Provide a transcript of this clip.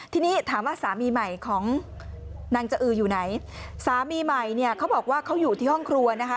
ทีนี้ถามว่าสามีใหม่ของนางจะอืออยู่ไหนสามีใหม่เนี่ยเขาบอกว่าเขาอยู่ที่ห้องครัวนะคะ